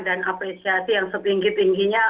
dan apresiasi yang setinggi tingginya